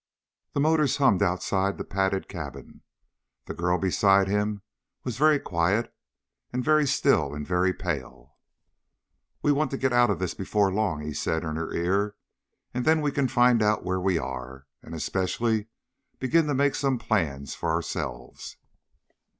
The motors hummed outside the padded cabin. The girl beside him was very quiet and very still and very pale. "We want to get out of this before long," he said in her ear, "and then we can find out where we are, and especially begin to make some plans for ourselves."